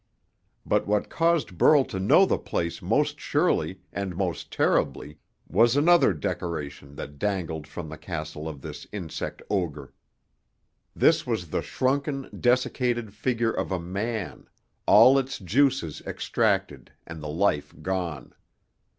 But what caused Burl to know the place most surely and most terribly was another decoration that dangled from the castle of this insect ogre. This was the shrunken, desiccated figure of a man, all its juices extracted and the life gone.